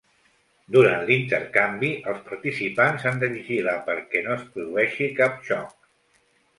Durant l'intercanvi, els participants han de vigilar perquè no es produeixi cap xoc.